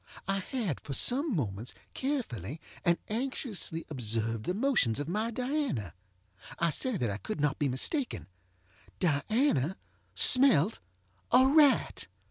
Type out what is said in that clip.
I had, for some moments, carefully and anxiously observed the motions of my DianaŌĆöI say that I could not be mistakenŌĆöDiana smelt a rat!